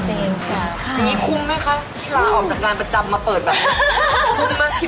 อย่างนี้คุ้มไหมคะที่ลาออกจากงานประจำมาเปิดแบบนี้